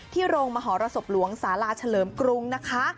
โรงมหรสบหลวงสาลาเฉลิมกรุงนะคะ